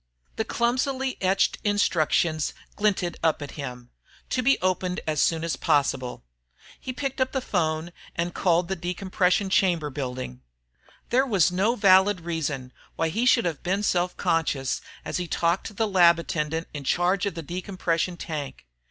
The clumsily etched instructions glinted up at him: "To be opened as soon as possible...." He picked up the phone and called the decompression chamber building. There was no valid reason why he should have been self conscious as he talked to the lab attendant in charge of the decompression tank.